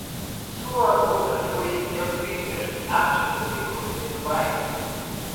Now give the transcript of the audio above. Su boda fue el primer acto público de Dubái.